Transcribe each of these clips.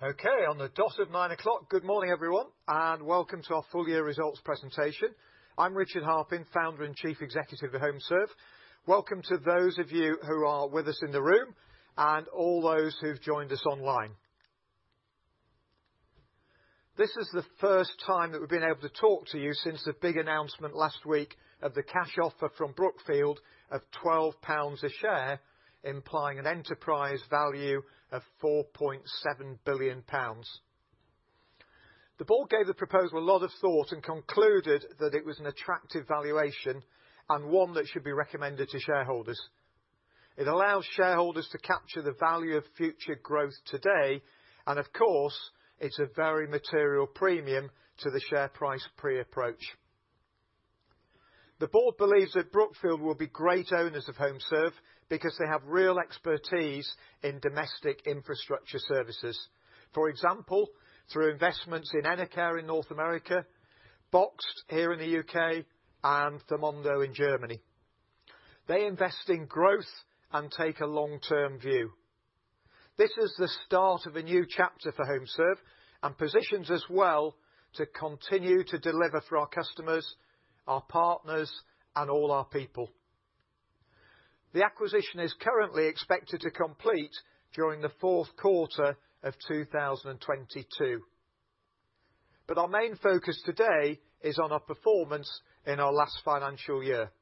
Okay, on the dot of 9:00 A.M. Good morning, everyone, and welcome to our full year results presentation. I'm Richard Harpin, Founder and Chief Executive of HomeServe. Welcome to those of you who are with us in the room and all those who's joined us online. This is the first time that we've been able to talk to you since the big announcement last week of the cash offer from Brookfield of 12 pounds a share, implying an enterprise value of 4.7 billion pounds. The board gave the proposal a lot of thought and concluded that it was an attractive valuation and one that should be recommended to shareholders. It allows shareholders to capture the value of future growth today, and of course, it's a very material premium to the share price pre-approach. The board believes that Brookfield will be great owners of HomeServe because they have real expertise in domestic infrastructure services. For example, through investments in Enercare in North America, BOXT here in the U.K., and thermondo in Germany. They invest in growth and take a long-term view. This is the start of a new chapter for HomeServe and positions us well to continue to deliver for our customers, our partners, and all our people. The acquisition is currently expected to complete during the fourth quarter of 2022. Our main focus today is on our performance in our last financial year.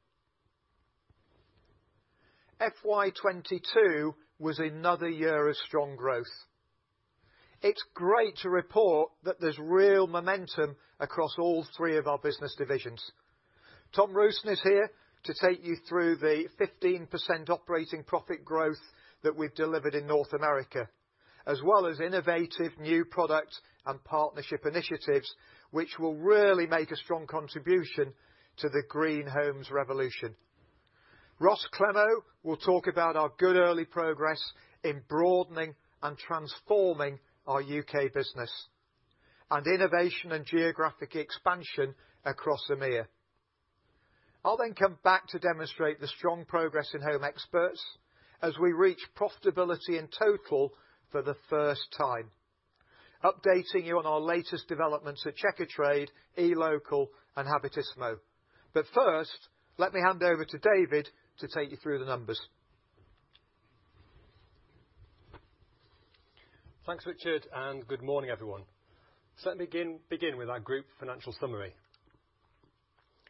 FY 2022 was another year of strong growth. It's great to report that there's real momentum across all three of our business divisions. Tom Rusin is here to take you through the 15% operating profit growth that we've delivered in North America, as well as innovative new product and partnership initiatives, which will really make a strong contribution to the green homes revolution. Ross Clemmow will talk about our good early progress in broadening and transforming our U.K. business, and innovation and geographic expansion across EMEA. I'll then come back to demonstrate the strong progress in Home Experts as we reach profitability in total for the first time. Updating you on our latest developments at Checkatrade, eLocal, and Habitissimo. First, let me hand over to David to take you through the numbers. Thanks, Richard, and good morning, everyone. Let me begin with our group financial summary.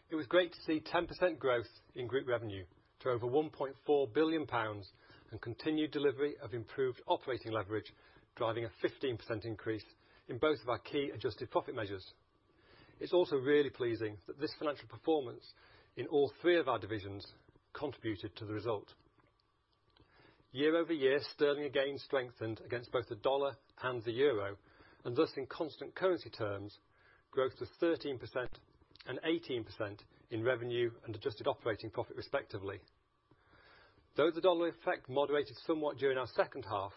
It was great to see 10% growth in group revenue to over 1.4 billion pounds, and continued delivery of improved operating leverage, driving a 15% increase in both of our key adjusted profit measures. It's also really pleasing that this financial performance in all three of our divisions contributed to the result. Year-over-year, sterling again strengthened against both the dollar and the euro, and thus in constant currency terms, growth of 13% and 18% in revenue and adjusted operating profit, respectively. Though the dollar effect moderated somewhat during our second half,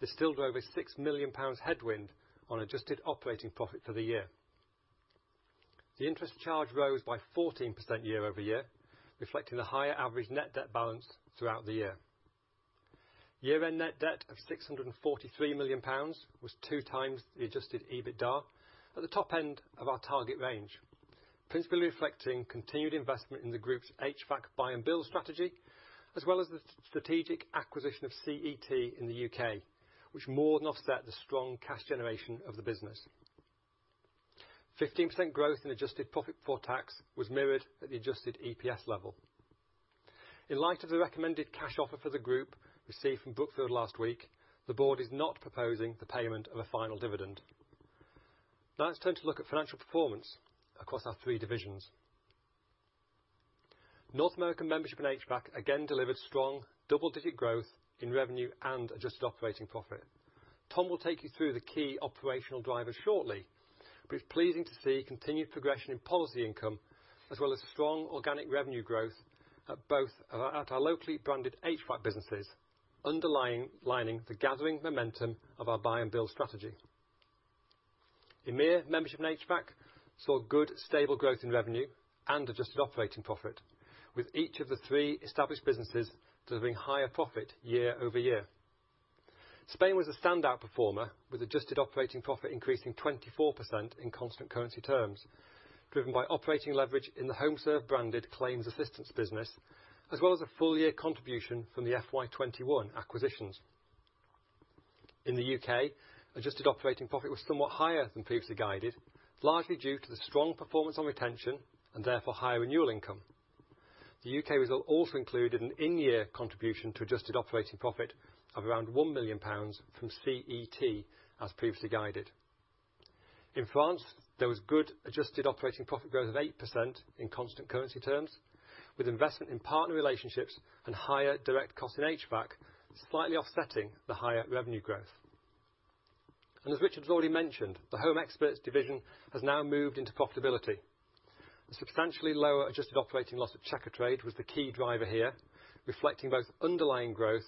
this still drove a 6 million pounds headwind on adjusted operating profit for the year. The interest charge rose by 14% year-over-year, reflecting the higher average net debt balance throughout the year. Year-end net debt of 643 million pounds was 2x the adjusted EBITDA at the top end of our target range, principally reflecting continued investment in the group's HVAC buy and build strategy, as well as the strategic acquisition of CET in the U.K., which more than offset the strong cash generation of the business. 15% growth in adjusted profit for tax was mirrored at the adjusted EPS level. In light of the recommended cash offer for the group received from Brookfield last week, the board is not proposing the payment of a final dividend. Now, let's turn to look at financial performance across our three divisions. North American Membership and HVAC again delivered strong double-digit growth in revenue and adjusted operating profit. Tom will take you through the key operational drivers shortly, but it's pleasing to see continued progression in policy income as well as strong organic revenue growth at both our locally branded HVAC businesses, underlying the gathering momentum of our buy and build strategy. EMEA Membership and HVAC saw good, stable growth in revenue and adjusted operating profit, with each of the three established businesses delivering higher profit year-over-year. Spain was a standout performer, with adjusted operating profit increasing 24% in constant currency terms, driven by operating leverage in the HomeServe branded claims assistance business, as well as a full year contribution from the FY 2021 acquisitions. In the U.K., adjusted operating profit was somewhat higher than previously guided, largely due to the strong performance on retention and therefore higher renewal income. The U.K. result also included an in-year contribution to adjusted operating profit of around 1 million pounds from CET, as previously guided. In France, there was good adjusted operating profit growth of 8% in constant currency terms, with investment in partner relationships and higher direct cost in HVAC slightly offsetting the higher revenue growth. As Richard's already mentioned, the Home Experts division has now moved into profitability. A substantially lower adjusted operating loss at Checkatrade was the key driver here, reflecting both underlying growth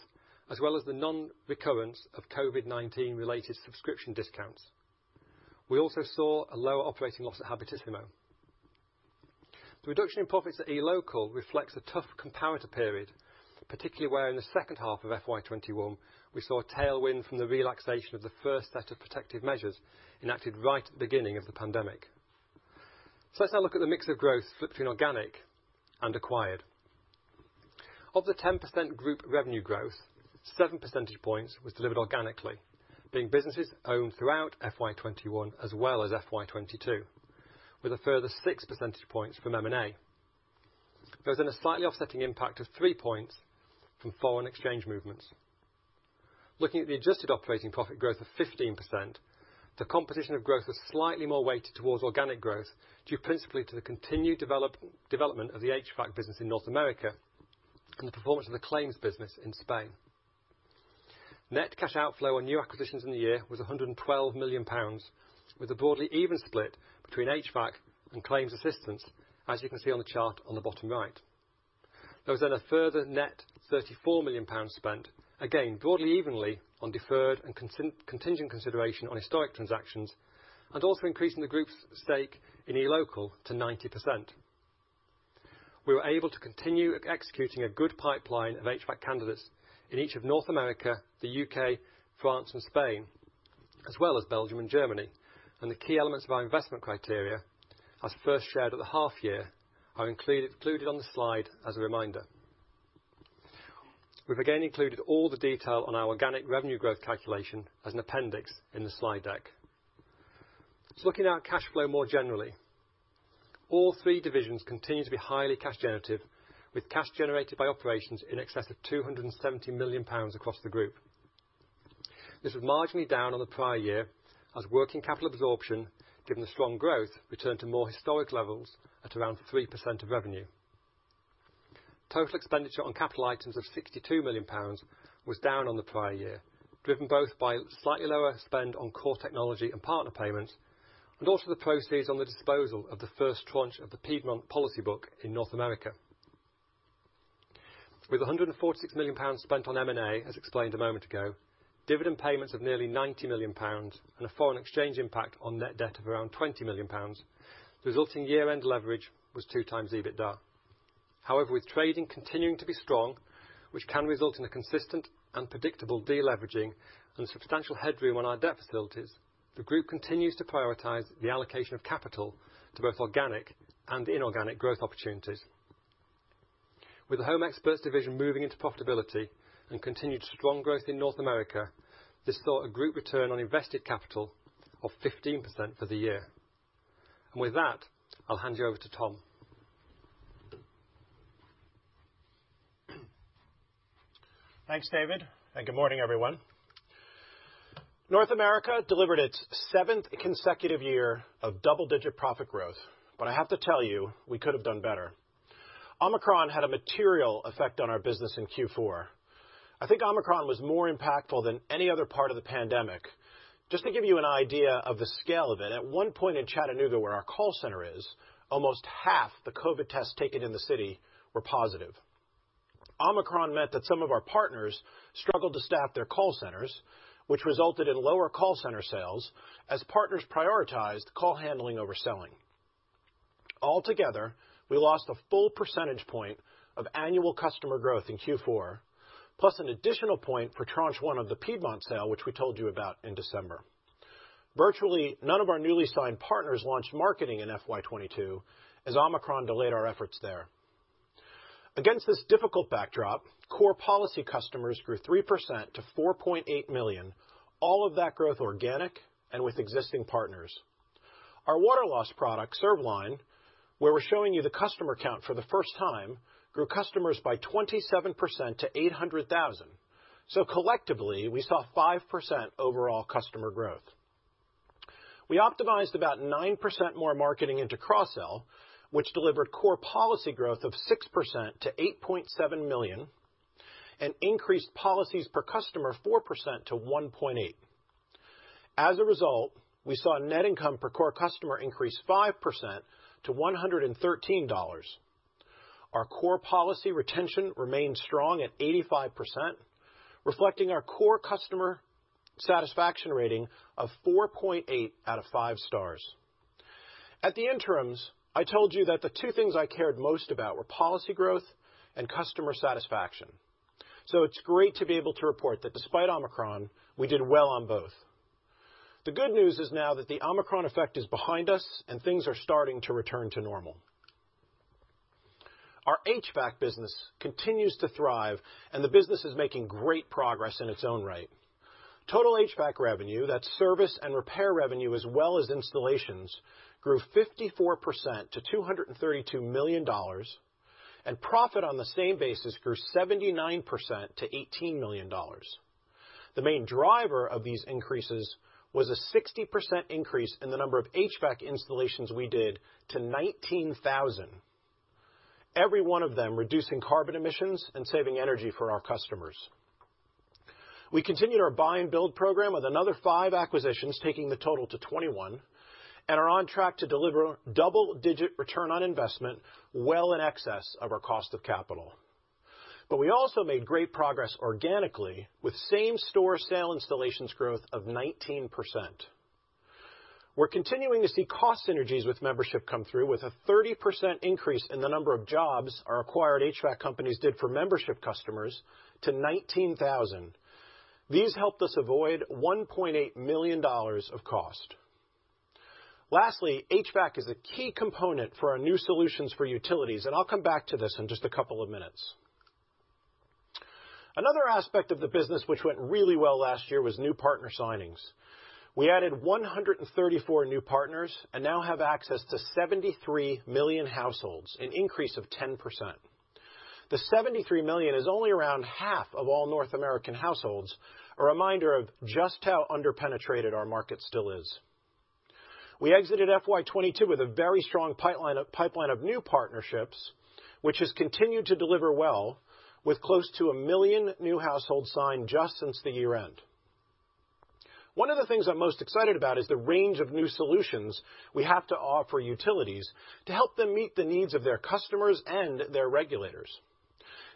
as well as the non-recurrence of COVID-19 related subscription discounts. We also saw a lower operating loss at Habitissimo. The reduction in profits at eLocal reflects a tough comparator period, particularly where in the second half of FY 2021 we saw a tailwind from the relaxation of the first set of protective measures enacted right at the beginning of the pandemic. Let's now look at the mix of growth between organic and acquired. Of the 10% group revenue growth, 7 percentage points was delivered organically, being businesses owned throughout FY 2021 as well as FY 2022, with a further 6 percentage points from M&A. There was then a slightly offsetting impact of 3 points from foreign exchange movements. Looking at the adjusted operating profit growth of 15%, the composition of growth was slightly more weighted towards organic growth, due principally to the continued development of the HVAC business in North America and the performance of the claims business in Spain. Net cash outflow on new acquisitions in the year was 112 million pounds, with a broadly even split between HVAC and claims assistance, as you can see on the chart on the bottom right. There was then a further net 34 million pounds spent, again, broadly evenly on deferred and contingent consideration on historic transactions, and also increasing the group's stake in eLocal to 90%. We were able to continue executing a good pipeline of HVAC candidates in each of North America, the U.K., France, and Spain, as well as Belgium and Germany. The key elements of our investment criteria, as first shared at the half year, are included on the slide as a reminder. We've again included all the detail on our organic revenue growth calculation as an appendix in the slide deck. Looking at our cash flow more generally, all three divisions continue to be highly cash generative, with cash generated by operations in excess of 270 million pounds across the group. This was marginally down on the prior year as working capital absorption, given the strong growth, returned to more historic levels at around 3% of revenue. Total expenditure on capital items of 62 million pounds was down on the prior year, driven both by slightly lower spend on core technology and partner payments, and also the proceeds on the disposal of the first tranche of the Piedmont policy book in North America. With 146 million pounds spent on M&A, as explained a moment ago, dividend payments of nearly 90 million pounds, and a foreign exchange impact on net debt of around 20 million pounds, the resulting year-end leverage was 2x EBITDA. However, with trading continuing to be strong, which can result in a consistent and predictable deleveraging and substantial headroom on our debt facilities, the group continues to prioritize the allocation of capital to both organic and inorganic growth opportunities. With the Home Experts division moving into profitability and continued strong growth in North America, this saw a group return on invested capital of 15% for the year. With that, I'll hand you over to Tom. Thanks, David, and good morning, everyone. North America delivered its seventh consecutive year of double-digit profit growth, but I have to tell you, we could have done better. Omicron had a material effect on our business in Q4. I think Omicron was more impactful than any other part of the pandemic. Just to give you an idea of the scale of it, at one point in Chattanooga, where our call center is, almost half the COVID tests taken in the city were positive. Omicron meant that some of our partners struggled to staff their call centers, which resulted in lower call center sales as partners prioritized call handling over selling. Altogether, we lost a full percentage point of annual customer growth in Q4, plus an additional point for tranche one of the Piedmont sale, which we told you about in December. Virtually none of our newly signed partners launched marketing in FY 2022, as Omicron delayed our efforts there. Against this difficult backdrop, core policy customers grew 3% to 4.8 million, all of that growth organic and with existing partners. Our water loss product, ServLine, where we're showing you the customer count for the first time, grew customers by 27% to 800,000. Collectively, we saw 5% overall customer growth. We optimized about 9% more marketing into cross-sell, which delivered core policy growth of 6% to 8.7 million, and increased policies per customer 4% to 1.8. As a result, we saw net income per core customer increase 5% to $113. Our core policy retention remained strong at 85%, reflecting our core customer satisfaction rating of 4.8 out of 5 stars. At the interims, I told you that the two things I cared most about were policy growth and customer satisfaction, so it's great to be able to report that despite Omicron, we did well on both. The good news is now that the Omicron effect is behind us and things are starting to return to normal. Our HVAC business continues to thrive, and the business is making great progress in its own right. Total HVAC revenue, that's service and repair revenue, as well as installations, grew 54% to $232 million, and profit on the same basis grew 79% to $18 million. The main driver of these increases was a 60% increase in the number of HVAC installations we did to 19,000. Every one of them reducing carbon emissions and saving energy for our customers. We continue our buy and build program with another five acquisitions, taking the total to 21, and are on track to deliver double-digit return on investment well in excess of our cost of capital. We also made great progress organically with same-store sale installations growth of 19%. We're continuing to see cost synergies with membership come through with a 30% increase in the number of jobs our acquired HVAC companies did for membership customers to 19,000. These helped us avoid $1.8 million of cost. Lastly, HVAC is a key component for our new solutions for utilities, and I'll come back to this in just a couple of minutes. Another aspect of the business which went really well last year was new partner signings. We added 134 new partners and now have access to 73 million households, an increase of 10%. The 73 million is only around half of all North American households, a reminder of just how under-penetrated our market still is. We exited FY 2022 with a very strong pipeline of new partnerships, which has continued to deliver well with close to 1 million new households signed just since the year-end. One of the things I'm most excited about is the range of new solutions we have to offer utilities to help them meet the needs of their customers and their regulators.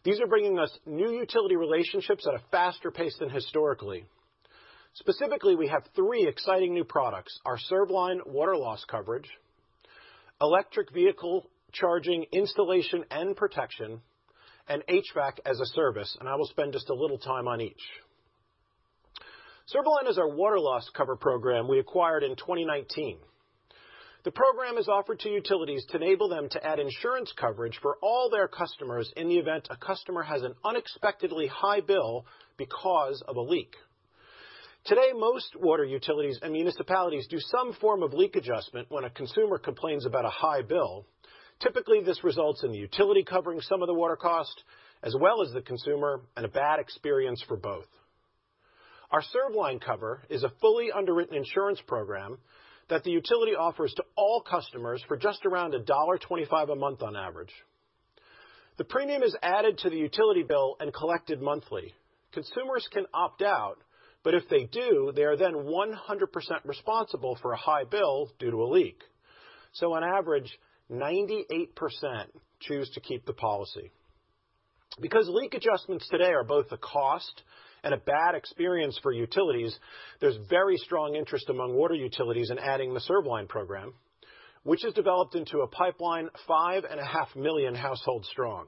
These are bringing us new utility relationships at a faster pace than historically. Specifically, we have three exciting new products, our ServLine water loss coverage, electric vehicle charging installation and protection, and HVAC as a service, and I will spend just a little time on each. ServLine is our water loss cover program we acquired in 2019. The program is offered to utilities to enable them to add insurance coverage for all their customers in the event a customer has an unexpectedly high bill because of a leak. Today, most water utilities and municipalities do some form of leak adjustment when a consumer complains about a high bill. Typically, this results in the utility covering some of the water cost, as well as the consumer, and a bad experience for both. Our ServLine cover is a fully underwritten insurance program that the utility offers to all customers for just around $1.25 a month on average. The premium is added to the utility bill and collected monthly. Consumers can opt out, but if they do, they are then 100% responsible for a high bill due to a leak. On average, 98% choose to keep the policy. Because leak adjustments today are both a cost and a bad experience for utilities, there's very strong interest among water utilities in adding the ServLine program, which has developed into a pipeline 5.5 million households strong.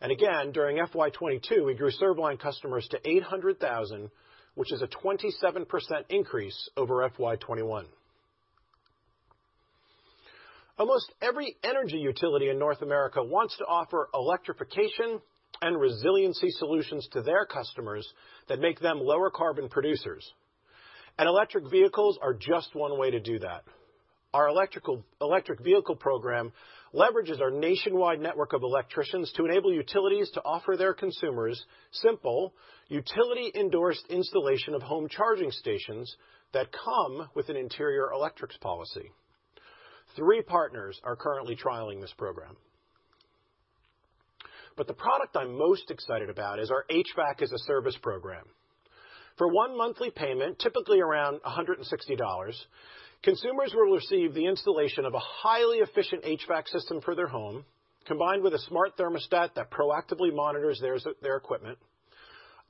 Again, during FY 2022, we grew ServLine customers to 800,000, which is a 27% increase over FY 2021. Almost every energy utility in North America wants to offer electrification and resiliency solutions to their customers that make them lower carbon producers, and electric vehicles are just one way to do that. Our electric vehicle program leverages our nationwide network of electricians to enable utilities to offer their consumers simple, utility-endorsed installation of home charging stations that come with an interior electrics policy. Three partners are currently trialing this program. The product I'm most excited about is our HVAC as a Service program. For one monthly payment, typically around $160, consumers will receive the installation of a highly efficient HVAC system for their home, combined with a smart thermostat that proactively monitors their equipment,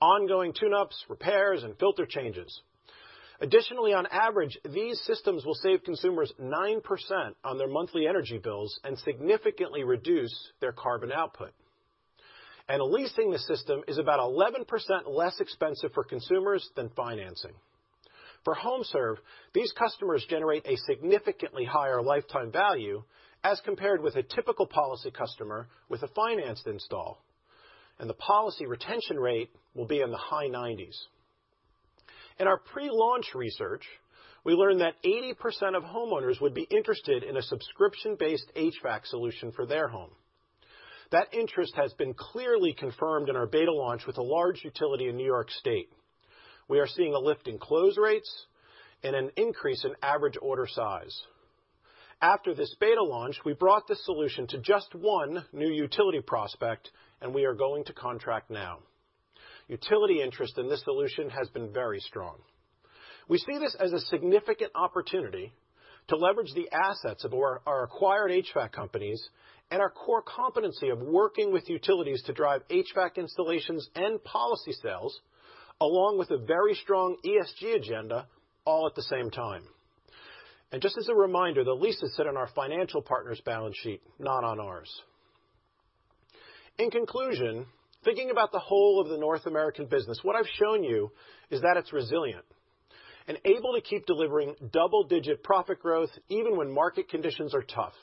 ongoing tune-ups, repairs, and filter changes. Additionally, on average, these systems will save consumers 9% on their monthly energy bills and significantly reduce their carbon output. Leasing the system is about 11% less expensive for consumers than financing. For HomeServe, these customers generate a significantly higher lifetime value as compared with a typical policy customer with a financed install, and the policy retention rate will be in the high 90s%. In our pre-launch research, we learned that 80% of homeowners would be interested in a subscription-based HVAC solution for their home. That interest has been clearly confirmed in our beta launch with a large utility in New York State. We are seeing a lift in close rates and an increase in average order size. After this beta launch, we brought this solution to just one new utility prospect, and we are going to contract now. Utility interest in this solution has been very strong. We see this as a significant opportunity to leverage the assets of our acquired HVAC companies and our core competency of working with utilities to drive HVAC installations and policy sales, along with a very strong ESG agenda all at the same time. Just as a reminder, the leases sit on our financial partners' balance sheet, not on ours. In conclusion, thinking about the whole of the North American business, what I've shown you is that it's resilient and able to keep delivering double-digit profit growth even when market conditions are tough.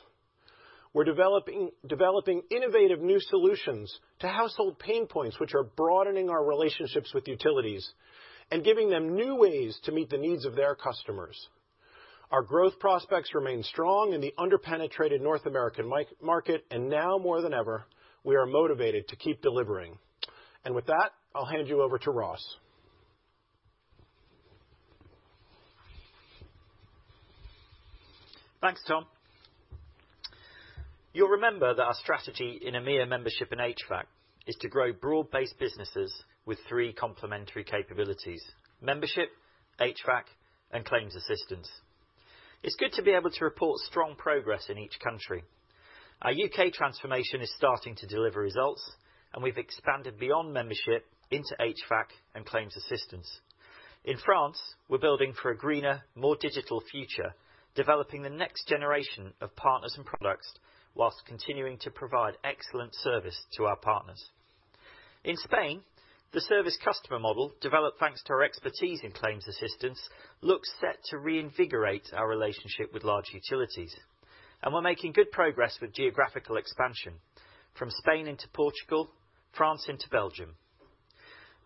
We're developing innovative new solutions to household pain points, which are broadening our relationships with utilities and giving them new ways to meet the needs of their customers. Our growth prospects remain strong in the under-penetrated North American market, and now more than ever, we are motivated to keep delivering. With that, I'll hand you over to Ross. Thanks, Tom. You'll remember that our strategy in EMEA membership and HVAC is to grow broad-based businesses with three complementary capabilities, membership, HVAC, and claims assistance. It's good to be able to report strong progress in each country. Our U.K. transformation is starting to deliver results, and we've expanded beyond membership into HVAC and claims assistance. In France, we're building for a greener, more digital future, developing the next generation of partners and products while continuing to provide excellent service to our partners. In Spain, the service customer model, developed thanks to our expertise in claims assistance, looks set to reinvigorate our relationship with large utilities, and we're making good progress with geographical expansion from Spain into Portugal, France into Belgium.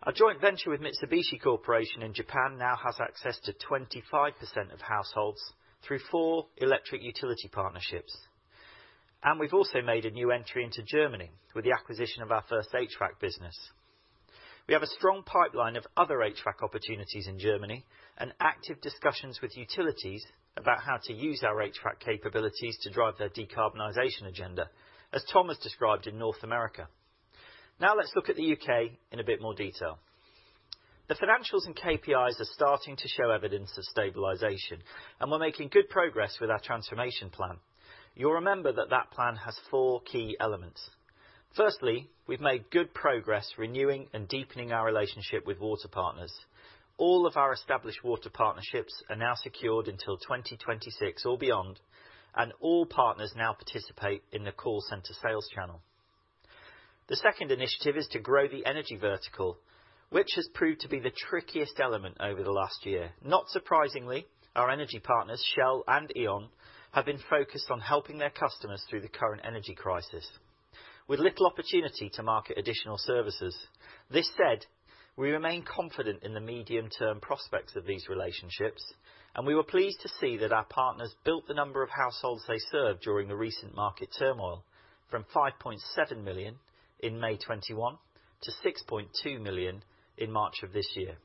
Our joint venture with Mitsubishi Corporation in Japan now has access to 25% of households through four electric utility partnerships. We've also made a new entry into Germany with the acquisition of our first HVAC business. We have a strong pipeline of other HVAC opportunities in Germany and active discussions with utilities about how to use our HVAC capabilities to drive their decarbonization agenda, as Tom has described in North America. Now let's look at the U.K. in a bit more detail. The financials and KPIs are starting to show evidence of stabilization, and we're making good progress with our transformation plan. You'll remember that that plan has four key elements. Firstly, we've made good progress renewing and deepening our relationship with water partners. All of our established water partnerships are now secured until 2026 or beyond, and all partners now participate in the call center sales channel. The second initiative is to grow the energy vertical, which has proved to be the trickiest element over the last year. Not surprisingly, our energy partners, Shell and E.ON, have been focused on helping their customers through the current energy crisis with little opportunity to market additional services. This said, we remain confident in the medium-term prospects of these relationships, and we were pleased to see that our partners built the number of households they served during the recent market turmoil from 5.7 million in May 2021 to 6.2 million in March of this year.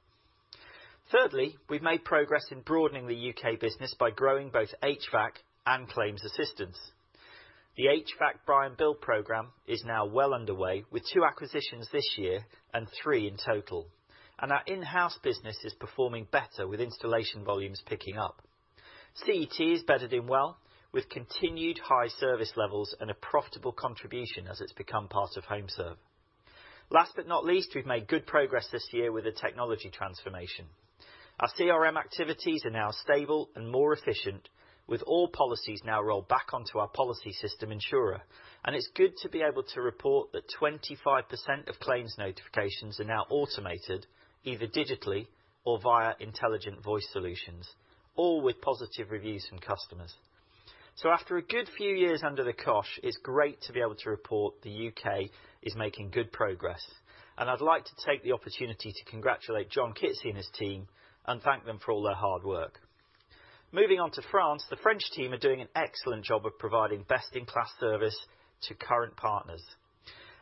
Thirdly, we've made progress in broadening the U.K. business by growing both HVAC and claims assistance. The HVAC buy and build program is now well underway with two acquisitions this year and three in total, and our in-house business is performing better with installation volumes picking up. CET has bedded in well with continued high service levels and a profitable contribution as it's become part of HomeServe. Last but not least, we've made good progress this year with the technology transformation. Our CRM activities are now stable and more efficient, with all policies now rolled back onto our policy system insurer. It's good to be able to report that 25% of claims notifications are now automated, either digitally or via intelligent voice solutions, all with positive reviews from customers. After a good few years under the cosh, it's great to be able to report the U.K. is making good progress, and I'd like to take the opportunity to congratulate John Kitzie and his team and thank them for all their hard work. Moving on to France. The French team are doing an excellent job of providing best-in-class service to current partners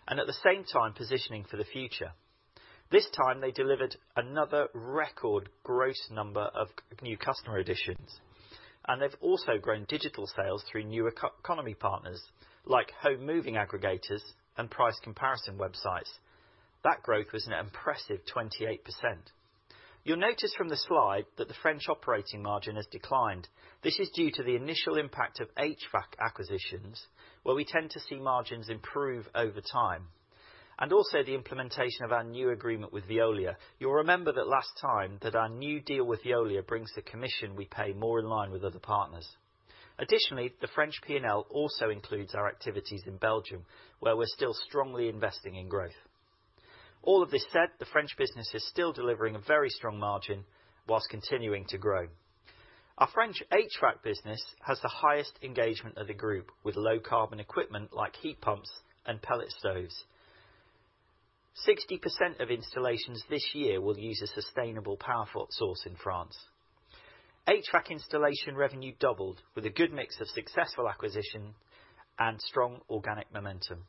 and at the same time positioning for the future. This time, they delivered another record gross number of new customer additions, and they've also grown digital sales through new Ecosystem Economy partners like home moving aggregators and price comparison websites. That growth was an impressive 28%. You'll notice from the slide that the French operating margin has declined. This is due to the initial impact of HVAC acquisitions, where we tend to see margins improve over time, and also the implementation of our new agreement with Veolia. You'll remember that last time that our new deal with Veolia brings the commission we pay more in line with other partners. Additionally, the French P&L also includes our activities in Belgium, where we're still strongly investing in growth. All of this said, the French business is still delivering a very strong margin while continuing to grow. Our French HVAC business has the highest engagement of the group, with low carbon equipment like heat pumps and pellet stoves. 60% of installations this year will use a sustainable power source in France. HVAC installation revenue doubled with a good mix of successful acquisition and strong organic momentum.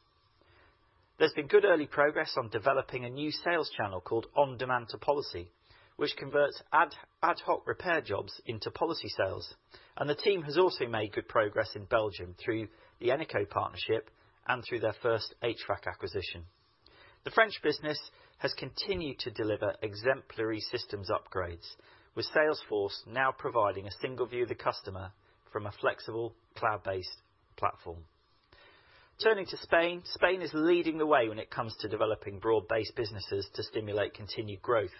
There's been good early progress on developing a new sales channel called On-Demand to Policy, which converts ad hoc repair jobs into policy sales. The team has also made good progress in Belgium through the Eneco partnership and through their first HVAC acquisition. The French business has continued to deliver exemplary systems upgrades, with Salesforce now providing a single view of the customer from a flexible, cloud-based platform. Turning to Spain. Spain is leading the way when it comes to developing broad-based businesses to stimulate continued growth.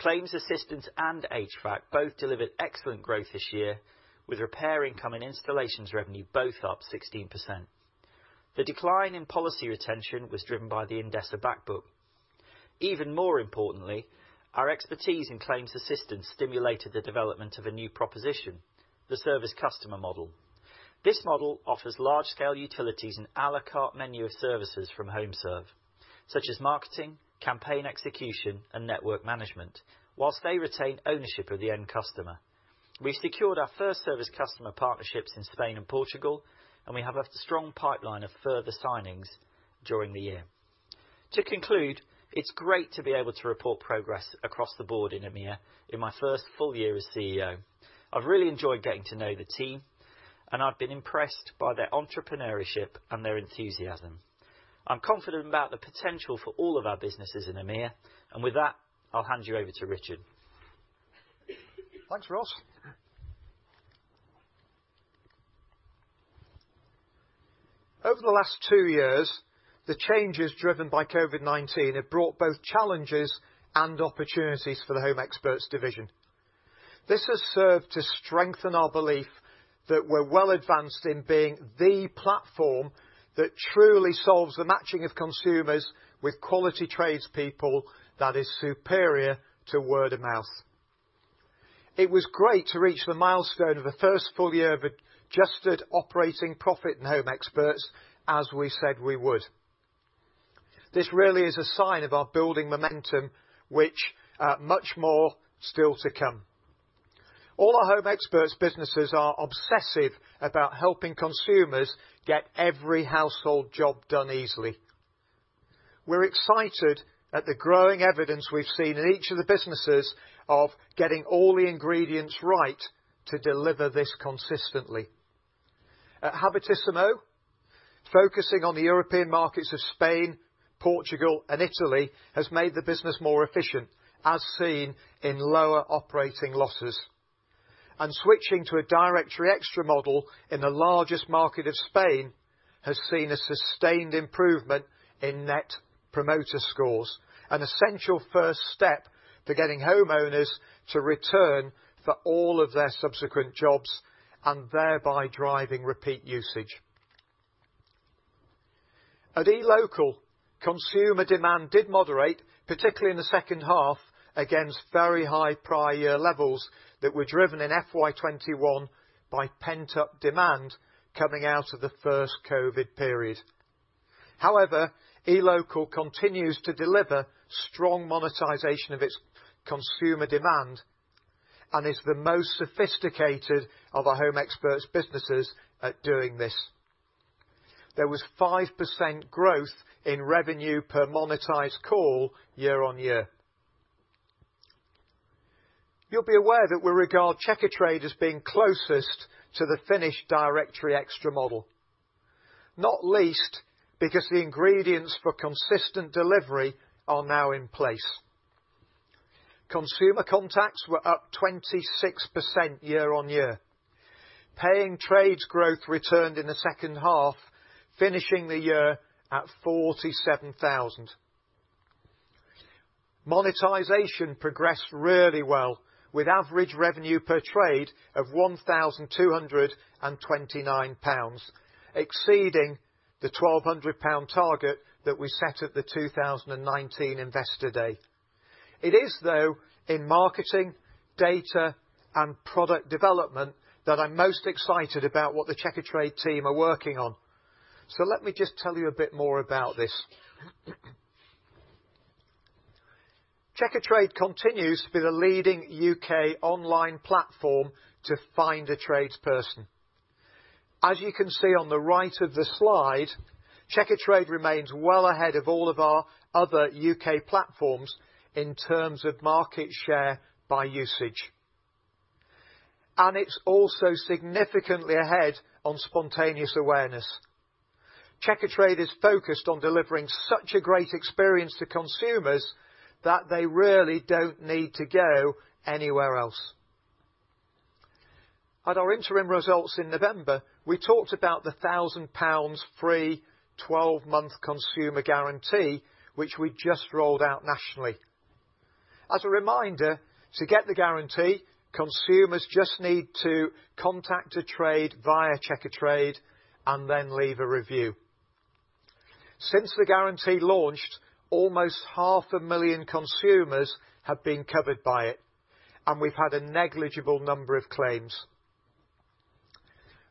Claims assistance and HVAC both delivered excellent growth this year with repair income and installations revenue both up 16%. The decline in policy retention was driven by the Endesa back book. Even more importantly, our expertise in claims assistance stimulated the development of a new proposition, the service customer model. This model offers large-scale utilities an à la carte menu of services from HomeServe, such as marketing, campaign execution, and network management, while they retain ownership of the end customer. We secured our first service customer partnerships in Spain and Portugal, and we have a strong pipeline of further signings during the year. To conclude, it's great to be able to report progress across the board in EMEA in my first full year as CEO. I've really enjoyed getting to know the team. I've been impressed by their entrepreneurship and their enthusiasm. I'm confident about the potential for all of our businesses in EMEA. With that, I'll hand you over to Richard. Thanks, Ross. Over the last two years, the changes driven by COVID-19 have brought both challenges and opportunities for the Home Experts division. This has served to strengthen our belief that we're well advanced in being the platform that truly solves the matching of consumers with quality tradespeople that is superior to word of mouth. It was great to reach the milestone of the first full year of adjusted operating profit in Home Experts, as we said we would. This really is a sign of our building momentum, which, much more still to come. All our Home Experts businesses are obsessive about helping consumers get every household job done easily. We're excited at the growing evidence we've seen in each of the businesses of getting all the ingredients right to deliver this consistently. At Habitissimo, focusing on the European markets of Spain, Portugal, and Italy has made the business more efficient, as seen in lower operating losses. Switching to a directory extra model in the largest market of Spain has seen a sustained improvement in net promoter scores, an essential first step to getting homeowners to return for all of their subsequent jobs, and thereby driving repeat usage. At eLocal, consumer demand did moderate, particularly in the second half, against very high prior year levels that were driven in FY 2021 by pent-up demand coming out of the first COVID period. However, eLocal continues to deliver strong monetization of its consumer demand and is the most sophisticated of our Home Experts businesses at doing this. There was 5% growth in revenue per monetized call year-on-year. You'll be aware that we regard Checkatrade as being closest to the finished directory extra model, not least because the ingredients for consistent delivery are now in place. Consumer contacts were up 26% year-on-year. Paying trades growth returned in the second half, finishing the year at 47,000. Monetization progressed really well with average revenue per trade of 1,229 pounds, exceeding the 1,200 pound target that we set at the 2019 investor day. It is, though, in marketing, data, and product development that I'm most excited about what the Checkatrade team are working on. Let me just tell you a bit more about this. Checkatrade continues to be the leading U.K. online platform to find a trades person. As you can see on the right of the slide, Checkatrade remains well ahead of all of our other U.K. platforms in terms of market share by usage. It's also significantly ahead on spontaneous awareness. Checkatrade is focused on delivering such a great experience to consumers that they really don't need to go anywhere else. At our interim results in November, we talked about the 1,000 pounds free 12-month consumer guarantee, which we just rolled out nationally. As a reminder, to get the guarantee, consumers just need to contact a tradesperson via Checkatrade and then leave a review. Since the guarantee launched, almost 500,000 consumers have been covered by it, and we've had a negligible number of claims.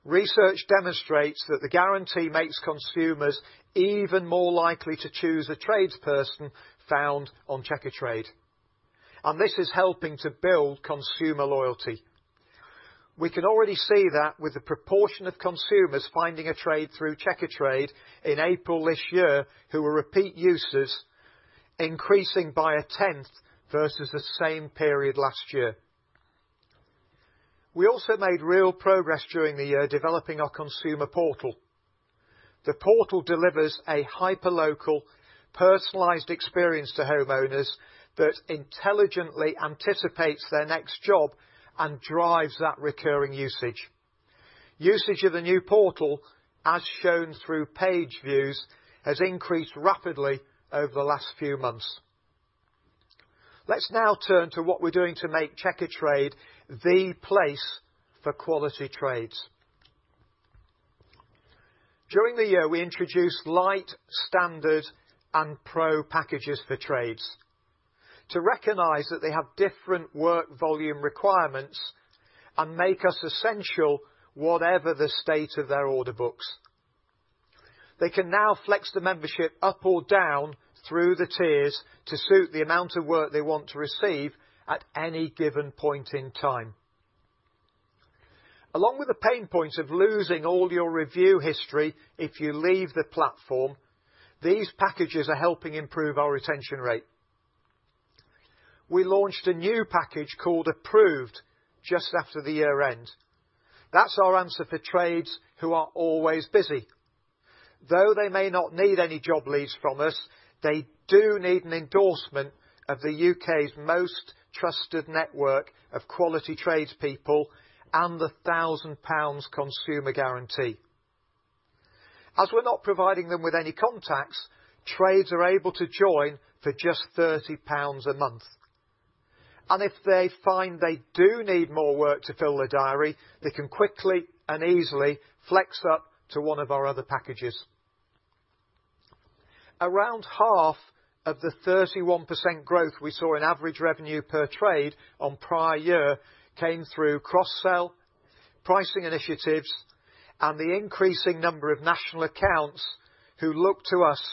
Research demonstrates that the guarantee makes consumers even more likely to choose a tradesperson found on Checkatrade, and this is helping to build consumer loyalty. We can already see that with the proportion of consumers finding a trade through Checkatrade in April this year who were repeat users, increasing by a 10th versus the same period last year. We also made real progress during the year, developing our consumer portal. The portal delivers a hyperlocal, personalized experience to homeowners that intelligently anticipates their next job and drives that recurring usage. Usage of the new portal, as shown through page views, has increased rapidly over the last few months. Let's now turn to what we're doing to make Checkatrade the place for quality trades. During the year, we introduced Lite, Standard, and Pro packages for trades to recognize that they have different work volume requirements and make us essential whatever the state of their order books. They can now flex the membership up or down through the tiers to suit the amount of work they want to receive at any given point in time. Along with the pain points of losing all your review history if you leave the platform, these packages are helping improve our retention rate. We launched a new package called Approved just after the year end. That's our answer for trades who are always busy. Though they may not need any job leads from us, they do need an endorsement of the U.K.'s most trusted network of quality tradespeople and the 1,000 pounds consumer guarantee. As we're not providing them with any contacts, trades are able to join for just 30 pounds a month. If they find they do need more work to fill their diary, they can quickly and easily flex up to one of our other packages. Around half of the 31% growth we saw in average revenue per trade on prior year came through cross-sell, pricing initiatives, and the increasing number of national accounts who look to us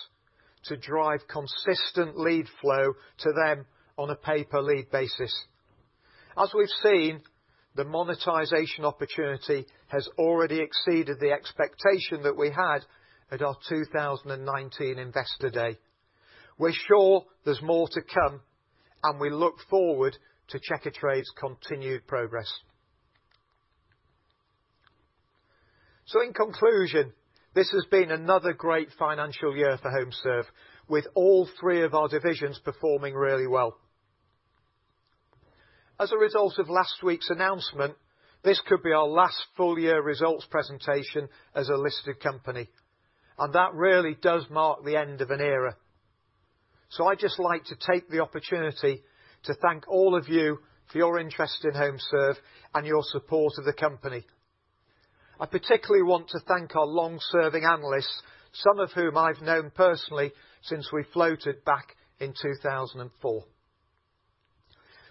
to drive consistent lead flow to them on a pay-per-lead basis. As we've seen, the monetization opportunity has already exceeded the expectation that we had at our 2019 investor day. We're sure there's more to come, and we look forward to Checkatrade's continued progress. In conclusion, this has been another great financial year for HomeServe, with all three of our divisions performing really well. As a result of last week's announcement, this could be our last full year results presentation as a listed company, and that really does mark the end of an era. I'd just like to take the opportunity to thank all of you for your interest in HomeServe and your support of the company. I particularly want to thank our long-serving analysts, some of whom I've known personally since we floated back in 2004.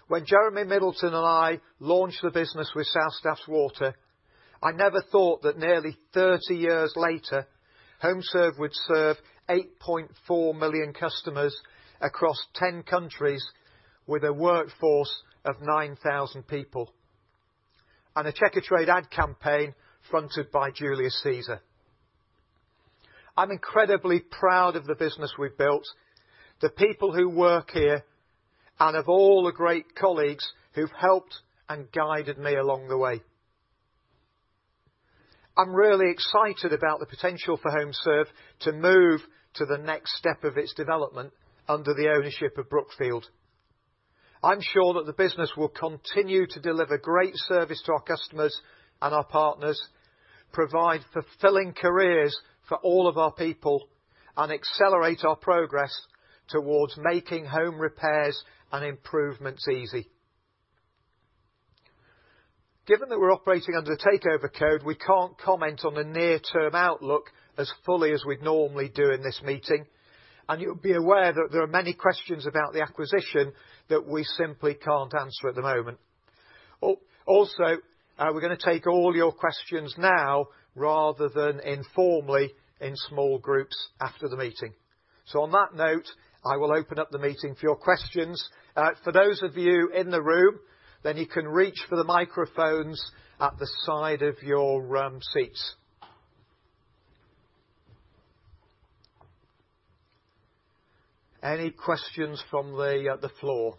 When Jeremy Middleton and I launched the business with South Staffs Water, I never thought that nearly 30 years later, HomeServe would serve 8.4 million customers across 10 countries with a workforce of 9,000 people, and a Checkatrade ad campaign fronted by Julius Caesar. I'm incredibly proud of the business we've built, the people who work here, and of all the great colleagues who've helped and guided me along the way. I'm really excited about the potential for HomeServe to move to the next step of its development under the ownership of Brookfield. I'm sure that the business will continue to deliver great service to our customers and our partners, provide fulfilling careers for all of our people, and accelerate our progress towards making home repairs and improvements easy. Given that we're operating under The Takeover Code, we can't comment on the near-term outlook as fully as we'd normally do in this meeting, and you'll be aware that there are many questions about the acquisition that we simply can't answer at the moment. Also, we're gonna take all your questions now rather than informally in small groups after the meeting. On that note, I will open up the meeting for your questions. For those of you in the room, then you can reach for the microphones at the side of your seats. Any questions from the floor?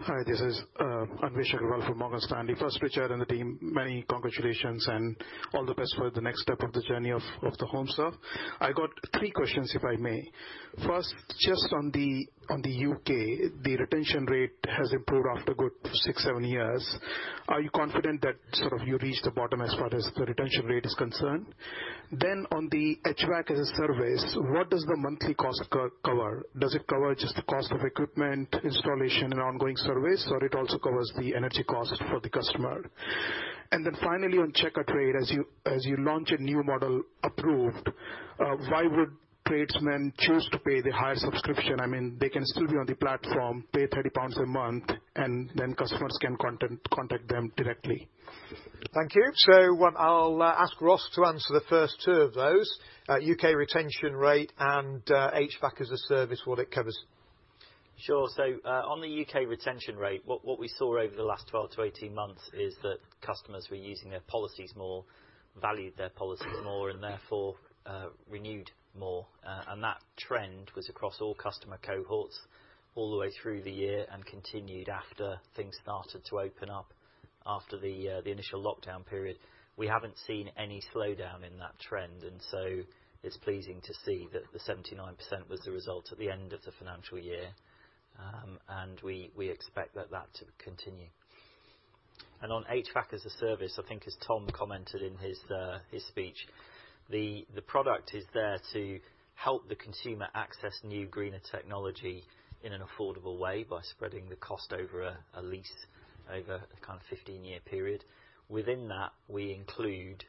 Hi, this is Anvesh Agrawal from Morgan Stanley. First, Richard and the team, many congratulations and all the best for the next step of the journey of the HomeServe. I got three questions, if I may. First, just on the U.K., the retention rate has improved after a good six-seven years. Are you confident that you reached the bottom as far as the retention rate is concerned? On the HVAC as a Service, what does the monthly cost cover? Does it cover just the cost of equipment, installation and ongoing service, or it also covers the energy cost for the customer? Finally, on Checkatrade, as you launch a new model Approved, why would tradesmen choose to pay the higher subscription? I mean, they can still be on the platform, pay 30 pounds a month, and then customers can contact them directly. Thank you. What I'll ask Ross to answer the first two of those, U.K. retention rate and HVAC as a Service, what it covers. Sure. On the U.K. retention rate, what we saw over the last 12-18 months is that customers were using their policies more, valued their policies more, and therefore, renewed more. That trend was across all customer cohorts all the way through the year and continued after things started to open up after the initial lockdown period. We haven't seen any slowdown in that trend, and so it's pleasing to see that the 79% was the result at the end of the financial year. We expect that to continue. On HVAC as a Service, I think as Tom commented in his speech, the product is there to help the consumer access new greener technology in an affordable way by spreading the cost over a lease over a kind of 15-year period. Within that, we include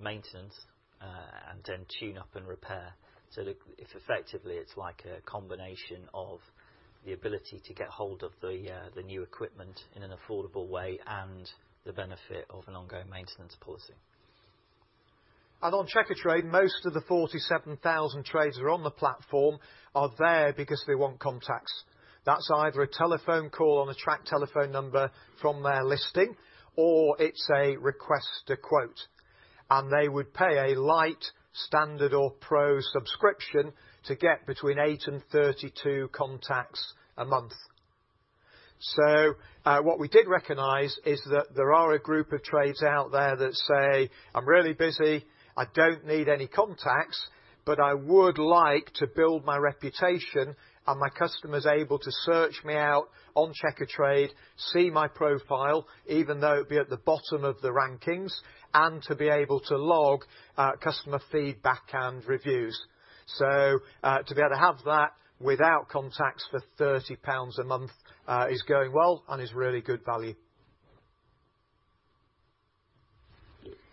maintenance, and then tune-up and repair. Effectively, it's like a combination of the ability to get hold of the new equipment in an affordable way and the benefit of an ongoing maintenance policy. On Checkatrade, most of the 47,000 traders who are on the platform are there because they want contacts. That's either a telephone call on a tracked telephone number from their listing, or it's a request to quote. They would pay a Lite, Standard or Pro subscription to get between eight and 32 contacts a month. What we did recognize is that there are a group of trades out there that say, "I'm really busy. I don't need any contacts, but I would like to build my reputation, and my customers able to search me out on Checkatrade, see my profile, even though it'd be at the bottom of the rankings, and to be able to log customer feedback and reviews." To be able to have that without contacts for 30 pounds a month is going well and is really good value.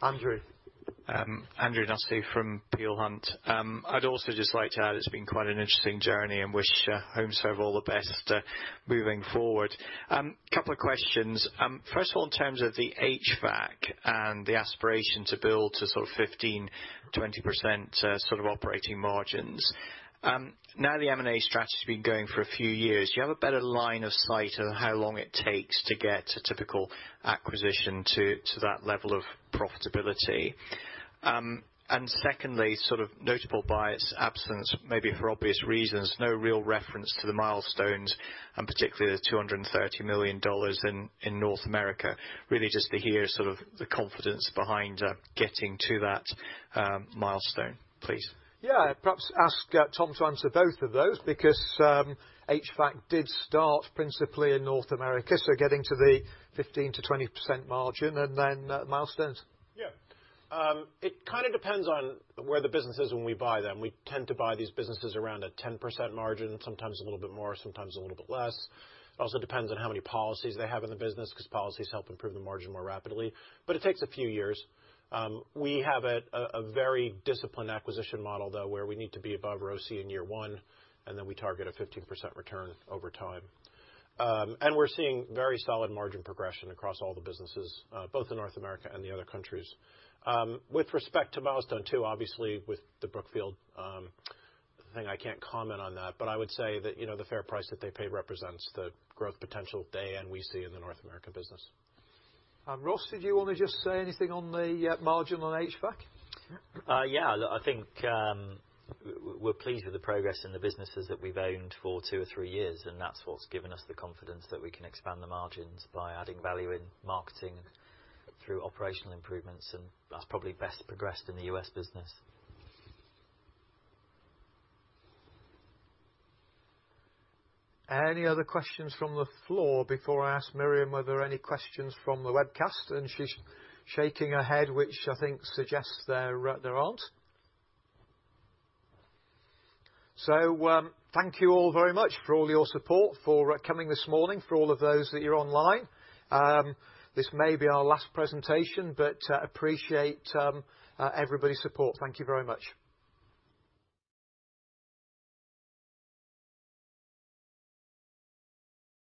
Andrew. Andrew Nussey from Peel Hunt. I'd also just like to add it's been quite an interesting journey and wish HomeServe all the best, moving forward. Couple of questions. First of all, in terms of the HVAC and the aspiration to build to sort of 15%-20%, sort of operating margins, now the M&A strategy has been going for a few years. Do you have a better line of sight on how long it takes to get to typical acquisition to that level of profitability? And secondly, sort of notable by its absence, maybe for obvious reasons, no real reference to the milestones, and particularly the $230 million in North America. Really just to hear sort of the confidence behind getting to that milestone, please. Perhaps ask Tom to answer both of those because HVAC did start principally in North America. Getting to the 15%-20% margin and then milestones. Yeah. It kinda depends on where the business is when we buy them. We tend to buy these businesses around a 10% margin, sometimes a little bit more, sometimes a little bit less. It also depends on how many policies they have in the business, 'cause policies help improve the margin more rapidly. It takes a few years. We have a very disciplined acquisition model, though, where we need to be above ROCE in year one, and then we target a 15% return over time. We're seeing very solid margin progression across all the businesses, both in North America and the other countries. With respect to milestone two, obviously with the Brookfield thing, I can't comment on that. I would say that, you know, the fair price that they paid represents the growth potential they and we see in the North American business. Ross, did you wanna just say anything on the margin on HVAC? Yeah. I think, we're pleased with the progress in the businesses that we've owned for two or three years, and that's what's given us the confidence that we can expand the margins by adding value in marketing through operational improvements, and that's probably best progressed in the U.S. business. Any other questions from the floor before I ask Miriam, were there any questions from the webcast? She's shaking her head, which I think suggests there aren't. Thank you all very much for all your support, for coming this morning, for all of those that are online. This may be our last presentation, but appreciate everybody's support. Thank you very much.